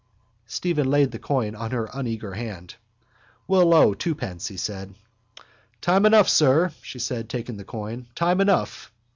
Stephen laid the coin in her uneager hand. —We'll owe twopence, he said. —Time enough, sir, she said, taking the coin. Time enough.